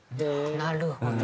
なるほど。